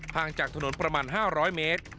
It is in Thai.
งจากถนนประมาณ๕๐๐เมตร